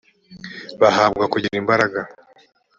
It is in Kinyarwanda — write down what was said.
bahabwa kugira imbaraga